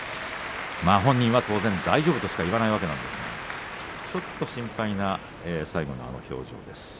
本人は大丈夫としか言わないわけなんですがちょっと心配な最後の表情です。